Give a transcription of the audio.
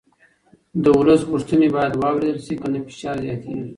د ولس غوښتنې باید واورېدل شي که نه فشار زیاتېږي